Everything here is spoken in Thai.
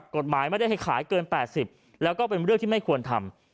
กฎหมายไม่ได้ให้ขายเกิน๘๐แล้วก็เป็นเรื่องที่ไม่ควรทำ